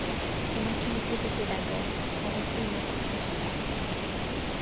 Son activité de pédagogue prend aussi une importance croissante.